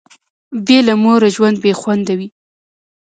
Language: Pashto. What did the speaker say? بي له موره ژوند بي خونده وي